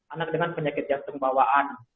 anak dengan penyakit jantung bawaan